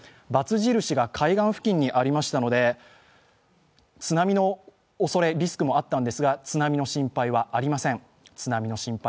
×印が海岸付近にありましたので、津波のおそれ、リスクもあったのですが、津波の心配はありません。